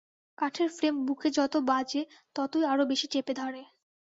কাঠের ফ্রেম বুকে যত বাজে ততই আরো বেশি চেপে ধরে।